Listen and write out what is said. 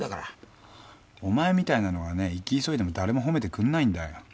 お前みたいなのが生き急いでも誰も褒めてくんないんだよ。